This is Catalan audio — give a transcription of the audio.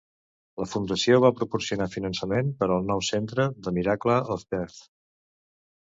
La fundació va proporcionar finançament per al nou centre de Miracle of Birth.